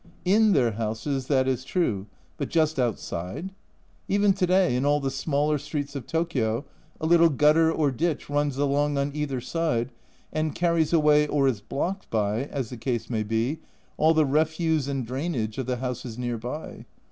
In their houses that is true, but just outside ! Even to day in all the smaller streets of Tokio a little gutter or ditch runs along on either side and carries away, or is blocked by, as the case may be, all the refuse and drainage of the houses near by.